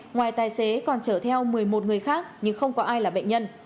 ngoài tài xế còn chở theo một mươi một người khác nhưng không có ai là bệnh nhân